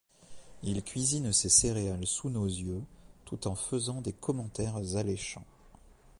Il cuisine ses céréales sous nos yeux, tout en faisant des commentaires alléchants.